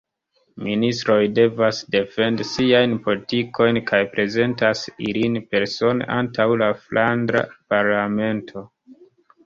Ministroj devas defendi siajn politikojn kaj prezentas ilin persone antaŭ la Flandra Parlamento.